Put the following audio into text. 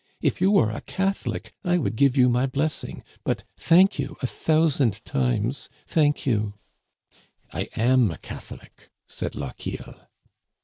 If you were a Catholic I would give you my blessing ; but thank you a thousand times, thank you !" I am a Catholic,*' said Lochiel.